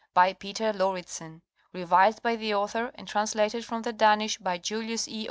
By Peter Lauridsen (ete.). Revised by the author and translated from the Danish by Julius E.